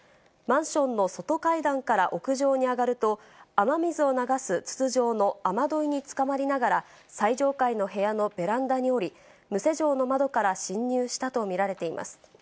マンションの外階段から屋上に上がると、雨水を流すつつじょうの雨どいにつかまりながら、最上階の部屋のベランダに下り、無施錠の窓から侵入したと見られています。